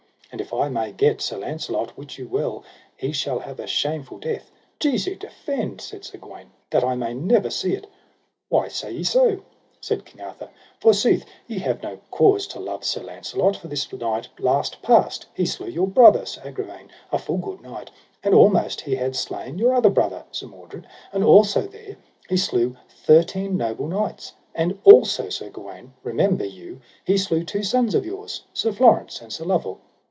And if I may get Sir Launcelot, wit you well he shall have a shameful death. Jesu defend, said Sir Gawaine, that I may never see it. Why say ye so? said King Arthur; forsooth ye have no cause to love Sir Launcelot, for this night last past he slew your brother, Sir Agravaine, a full good knight, and almost he had slain your other brother, Sir Mordred, and also there he slew thirteen noble knights; and also, Sir Gawaine, remember you he slew two sons of yours, Sir Florence and Sir Lovel.